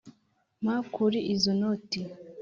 mpa kuri izo noti